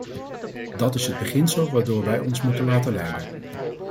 Dat is het beginsel waardoor wij ons moeten laten leiden.